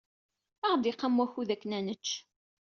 Ad aɣ-d-iqam wakud akken ad nečč.